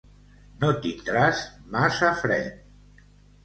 No tindràs massa fred!